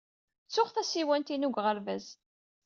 Ttuɣ tasiwant-inu deg uɣerbaz.